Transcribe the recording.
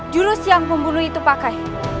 jurus yang pembunuh itu pakai